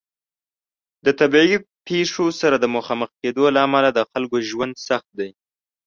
د طبیعي پیښو سره د مخامخ کیدو له امله د خلکو ژوند سخت دی.